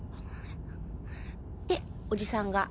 っておじさんが。